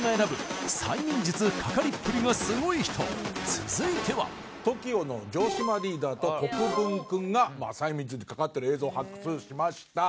続いてはＴＯＫＩＯの城島リーダーと国分くんが催眠術にかかってる映像発掘しました